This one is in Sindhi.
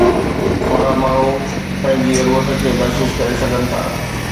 ٿورا ماڻهو پنهنجي ضرورت کي محسوس ڪري سگھن ٿا.